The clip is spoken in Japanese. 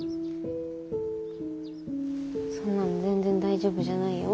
そんなの全然大丈夫じゃないよ。